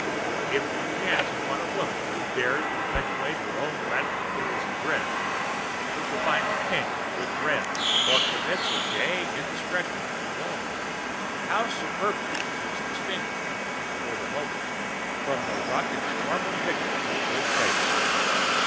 If we chance upon a woman who dares perpetrate her own radical theories of dress, who combines pink with red, or commits a gay indiscretion in millinery, how superbly she is distinguished, for the moment, from the ruck and swarm of victims to good taste!